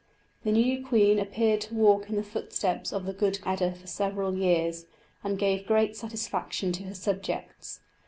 The new queen appeared to walk in the footsteps of the good Eda for several years, and gave great satisfaction to her subjects.